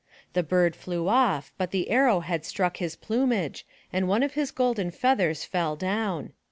The bird flew off, but the arrow had struck his plumage and one of his golden feathers fell down.